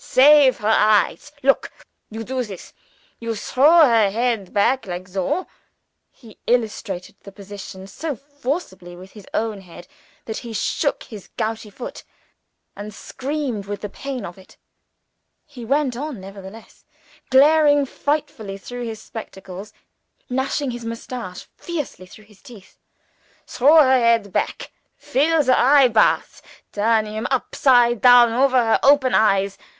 Save her eyes. Look! You do this. You throw her head back soh!" He illustrated the position so forcibly with his own head that he shook his gouty foot, and screamed with the pain of it. He went on nevertheless, glaring frightfully through his spectacles; gnashing his mustache fiercely between his teeth. "Throw her head back. Fill the eye baths; turn him upsides down over her open eyes.